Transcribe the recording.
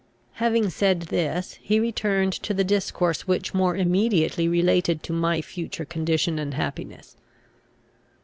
Having said this, he returned to the discourse which more immediately related to my future condition and happiness.